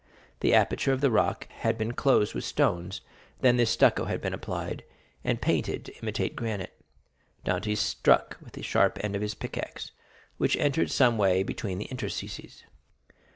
The aperture of the rock had been closed with stones, then this stucco had been applied, and painted to imitate granite. Dantès struck with the sharp end of his pickaxe, which entered someway between the interstices.